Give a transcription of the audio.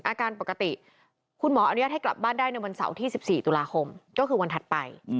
อาการปกติคุณหมออนุญาตให้กลับบ้านได้ในวันเสาร์ที่๑๔ตุลาคมก็คือวันถัดไป